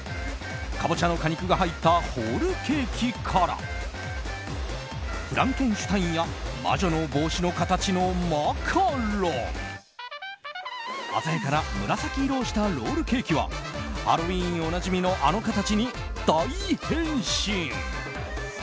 カボチャの果肉が入ったホールケーキからフランケンシュタインや魔女の帽子の形のマカロン鮮やかな紫色をしたロールケーキはハロウィーンおなじみのあの形に大変身。